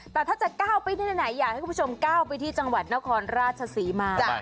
แต่ถ้าจะก้าวไปที่ไหนอยากให้คุณผู้ชมก้าวไปที่จังหวัดนครราชศรีมา